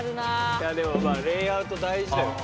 いやでもまあレイアウト大事だよね。